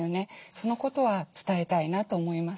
そのことは伝えたいなと思います。